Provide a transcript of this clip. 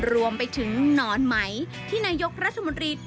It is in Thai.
รวมไปถึงหนอนไหมที่นายกรัฐมนตรี